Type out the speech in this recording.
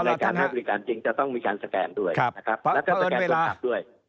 ในการให้บริการจริงจะต้องมีการสแกนด้วยนะครับแล้วก็สแกนคนขับด้วย